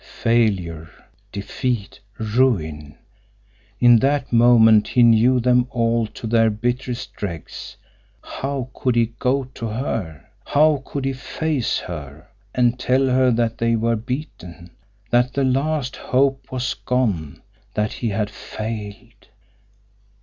Failure, defeat, ruin in that moment he knew them all to their bitterest dregs. How could he go to her! How could he face her, and tell her that they were beaten, that the last hope was gone, that he had failed!